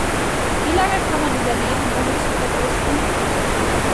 Wie lange kann man überleben, ohne zu verdursten?